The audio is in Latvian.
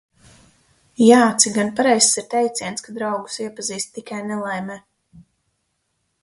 Jā, cik gan pareizs ir teiciens, ka draugus iepazīst tikai nelaimē.